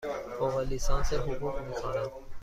فوق لیسانس حقوق می خوانم.